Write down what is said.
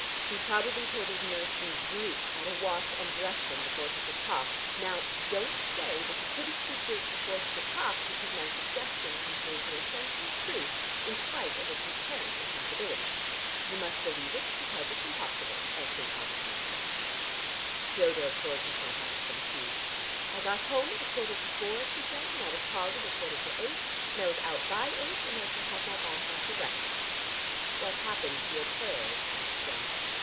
He probably told his nurse in Greek how to wash and dress him before he could talk. Now don't say that he couldn't speak Greek before he could talk, because my suggestion contains an essential truth in spite of its apparent impossibility. 'You must believe it because it's impossible,' as St. Augustine said." Dodo poured herself out some tea. "I got home at a quarter to four," she said, "and I was called at a quarter to eight, and I was out by eight and I shall have my bath after breakfast." "What happened to your prayers?" asked Jack.